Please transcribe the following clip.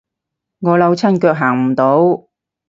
我扭親腳行唔到